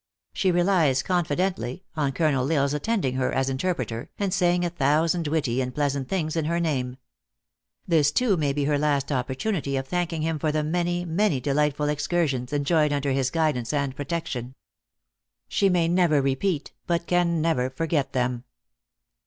She relies, confidently, on Col. L Isle s attending her as interpreter, and saying a thousand witty and pleas ant things in her name. This, too, may be her last opportunity of thanking him for the many, many de lightful excursions enjoyed under his guidance and THE ACTRESS IN HIGH LIFE. 353 protection. She may never repeat, but can never for get them